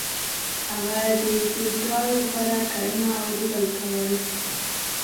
هغه د فیوډال لپاره کرنه او ریبل کول.